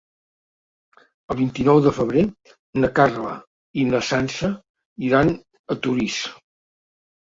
El vint-i-nou de febrer na Carla i na Sança iran a Torís.